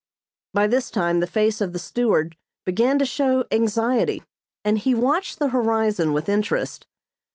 By this time the face of the steward began to show anxiety and he watched the horizon with interest.